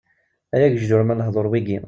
Ay agejdur ma lehduṛ wigi!